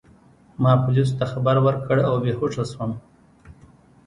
ما پولیسو ته خبر ورکړ او بې هوښه شوم.